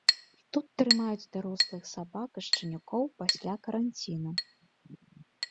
Тут трымаюць дарослых сабак і шчанюкоў пасля каранціну.